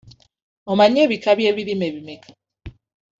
Omanyi ebika by'ebirime bimeka?